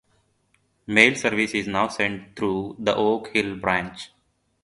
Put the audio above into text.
Mail service is now sent through the Oak Hill branch.